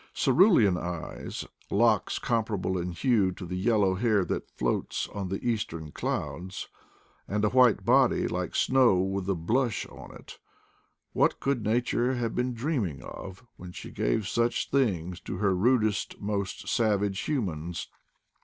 Cerulean eyes; locks comparable in hue to the "yellow hair that floats on the eastern clouds, " and a white body, like snow with a blush on it— what could Nature have been dreaming of when she gave such things to her rudest most savage humans